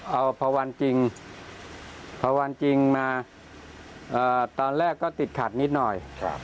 เอาพอวันจริงพอวันจริงมาตอนแรกก็ติดขัดนิดหน่อย